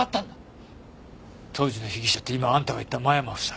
当時の被疑者って今あんたが言った間山夫妻。